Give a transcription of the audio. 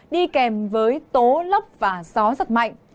đi kèm với tố lóc và gió rất mạnh